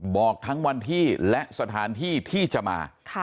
บอกทั้งวันที่และสถานที่ที่จะมา